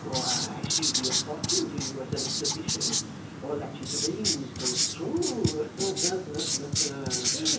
Why, she'll be a fortune to you as an exhibition. All that she dreams comes true. Ha, ha, ha!